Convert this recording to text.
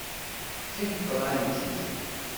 Qqim ṭṛankil!